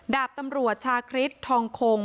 ดาบตำรวจชาคริสทองคง